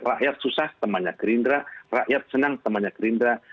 rakyat susah temannya gerindra rakyat senang temannya gerindra